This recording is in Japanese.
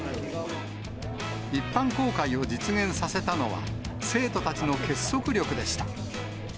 一般公開を実現させたのは、生徒たちの結束力でした。